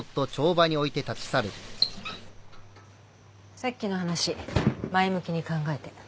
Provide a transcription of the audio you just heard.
さっきの話前向きに考えて。